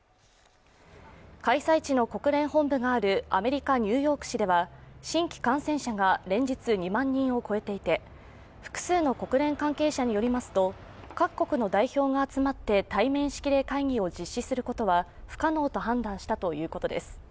開催地の国連本部があるアメリカ・ニューヨーク市では新規感染者が連日２万人を超えていて複数の国連関係者によりますと、各国の代表が集まって対面式で会議を実施することは不可能と判断したということです。